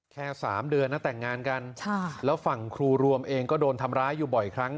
แค่๓เดือนนะแต่งงานกันแล้วฝั่งครูรวมเองก็โดนทำร้ายอยู่บ่อยครั้ง